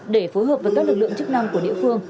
để phối hợp với các lực lượng chức năng của địa phương